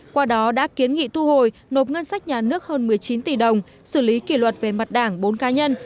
qua đó đã kiến nghị thu hồi nộp ngân sách nhà nước hơn một mươi chín tỷ đồng xử lý kỷ luật về mặt đảng bốn cá nhân